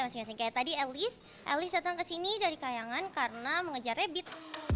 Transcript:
seperti tadi alice datang ke sini dari kayangan karena mengejar rabbit